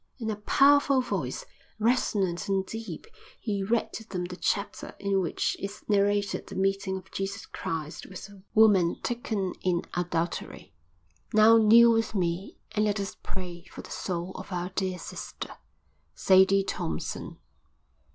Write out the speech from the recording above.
In a powerful voice, resonant and deep, he read to them the chapter in which is narrated the meeting of Jesus Christ with the woman taken in adultery. "Now kneel with me and let us pray for the soul of our dear sister, Sadie Thompson."